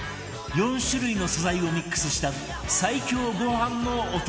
４種類の素材をミックスした最強ご飯のお供